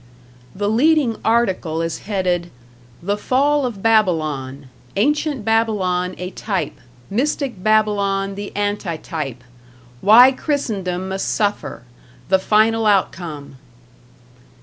The leading article is headed "The Fall of Babylon: Ancient Babylon a Type Mystic Babylon the Antitype: Why Christendom must Suffer the Final Outcome."